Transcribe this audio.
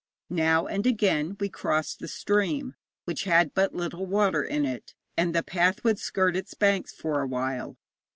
Now and again we crossed the stream, which had but little water in it, and the path would skirt its banks for awhile.